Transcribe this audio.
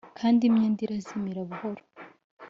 kandi imyenda irazimira buhoro